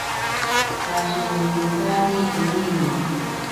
Pashiwentsinkari Irineo.